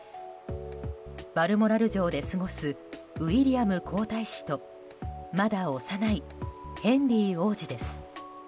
バルモラル城で過ごすウィリアム皇太子とまだ幼いヘンリー王子です。